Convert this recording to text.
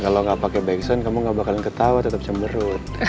kalo gak pake back sound kamu gak bakalan ketawa tetep cemberut